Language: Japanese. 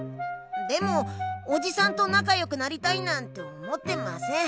でもおじさんとなかよくなりたいなんて思ってません。